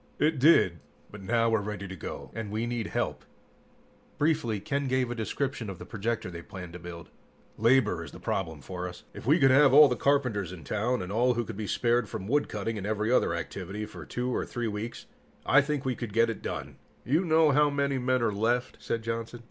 "It did, but now we're ready to go, and we need help." Briefly, Ken gave a description of the projector they planned to build. "Labor is the problem for us. If we could have all the carpenters in town, and all who could be spared from woodcutting and every other activity for 2 or 3 weeks I think we could get it done." "You know how many men are left," said Johnson.